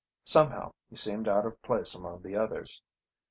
Somehow, he seemed out of place among the others.